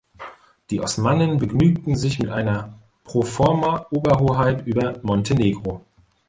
Die Osmanen begnügten sich mit einer pro forma Oberhoheit über Montenegro.